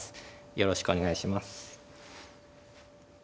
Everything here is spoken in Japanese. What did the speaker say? よろしくお願いします。